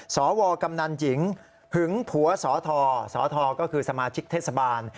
สวกำนันหญิงหึงผัวสอทสทก็คือสมาชิกเทศบาล